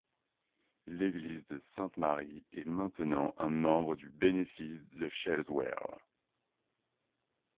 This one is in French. L'église de Sainte-Marie est maintenant un membre du Bénéfice de Shelswell.